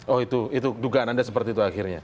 oh itu dugaan anda seperti itu akhirnya